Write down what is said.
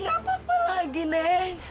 nini tidak punya apa apa lagi neng